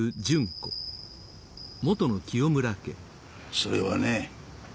それはね